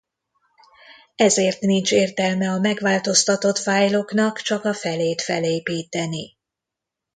Ezért nincs értelme a megváltoztatott fájloknak csak a felét felépíteni.